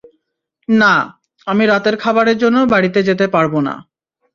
না, আমি রাতের খাবারের জন্য বাড়িতে যেতে পারবো না।